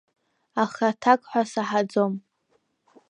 Аха аҭак ҳәа саҳаӡом.